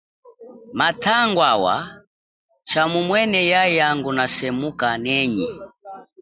Matangwawa tshamumwene yaya nguna semukanenyi.